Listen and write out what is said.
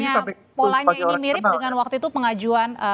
artinya polanya ini mirip dengan waktu itu pengajuan